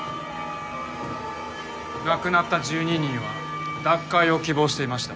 亡くなった１２人は脱会を希望していました。